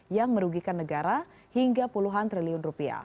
yang merugikan negara hingga puluhan triliun rupiah